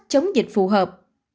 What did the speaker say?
chống dịch phù hợp